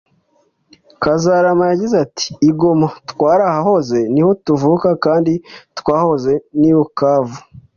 Kazarama yagize ati “I Goma twarahahoze ni ho tuvuka kandi twahoze n’i Bukavu